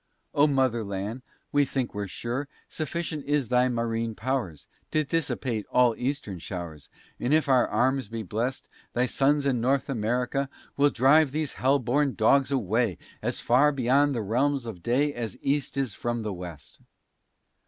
O mother land, we think we're sure, Sufficient is thy marine powers To dissipate all eastern showers: And if our arms be blest, Thy sons in North America Will drive these hell born dogs away As far beyond the realms of day, As east is from the west.